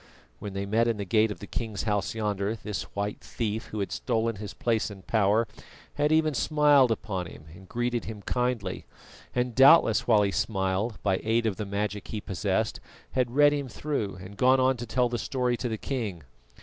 When they met in the gate of the king's house yonder this white thief, who had stolen his place and power, had even smiled upon him and greeted him kindly, and doubtless while he smiled, by aid of the magic he possessed, had read him through and gone on to tell the story to the king.